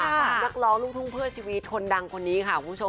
นักร้องลูกทุ่งเพื่อชีวิตคนดังคนนี้ค่ะคุณผู้ชม